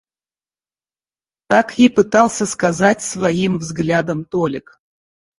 так и пытался сказать своим взглядом Толик.